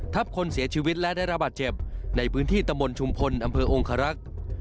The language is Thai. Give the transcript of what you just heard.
คนเสียชีวิตและได้รับบาดเจ็บในพื้นที่ตะมนต์ชุมพลอำเภอองคารักษ์